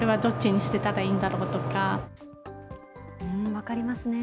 分かりますね。